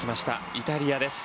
イタリアです。